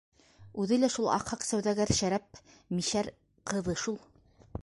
Үҙе лә шул аҡһаҡ сауҙагәр Шәрәп мишәр ҡыҙы шул.